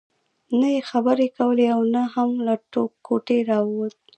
نه يې خبرې کولې او نه هم له کوټې راوته.